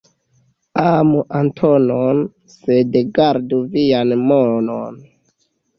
Amu Antonon, sed gardu vian monon.